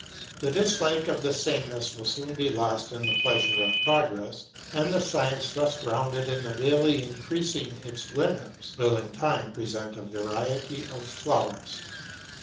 The dislike of the sameness will soon be lost in the pleasure of progress ; and the science thus grounded and daily increasing its limits will in time present a variety of flowers.